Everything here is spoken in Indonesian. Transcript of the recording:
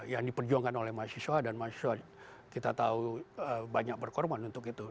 yang diperjuangkan oleh mahasiswa dan mahasiswa kita tahu banyak berkorban untuk itu